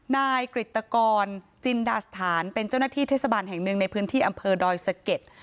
นายกริตกรจินดาสถานเป็นเจ้าหน้าที่เทศบาลแห่งหนึ่งในพื้นที่อำเภอดอยสะเก็ด